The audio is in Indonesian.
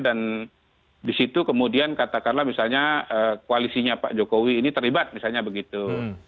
dan disitu kemudian katakanlah misalnya koalisinya pak jokowi ini terlibat misalnya begitu